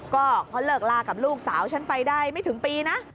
ก็เพราะเลิกลากับลูกสาวฉันไปได้ไม่ถึงปีนะ